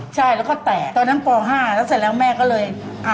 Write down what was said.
เสร็จแล้วแม่ก็เลย